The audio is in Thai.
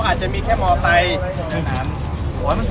รถแข่งสนในกระบะมันไม่เข้าหมด